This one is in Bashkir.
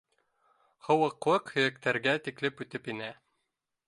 Һыуыҡлыҡ һөйәктәргә тиклем үтеп инә.